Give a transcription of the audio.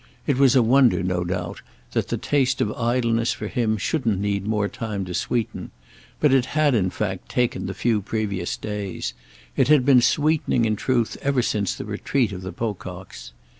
It was a wonder, no doubt, that the taste of idleness for him shouldn't need more time to sweeten; but it had in fact taken the few previous days; it had been sweetening in truth ever since the retreat of the Pococks.